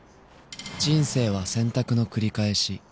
人生は選択の繰り返し